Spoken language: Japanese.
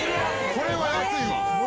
これは安いわ。